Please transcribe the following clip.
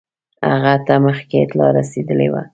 هغه ته مخکي اطلاع رسېدلې وه.